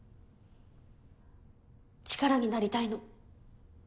力になりたいの。